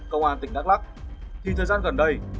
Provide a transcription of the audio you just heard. công an tỉnh đắk lắc thì thời gian gần đây